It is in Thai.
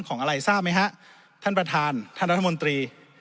ของอะไรท่านประธานท่านรัฐมนตรี